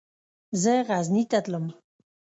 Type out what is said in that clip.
زه غزني ته تلم.